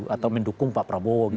atau mendukung pak prabowo